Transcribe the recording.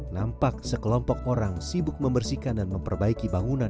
nampak sekelompok orang sibuk membersihkan dan memperbaiki bangunan